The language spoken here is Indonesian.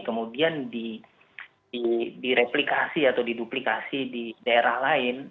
kemudian direplikasi atau diduplikasi di daerah lain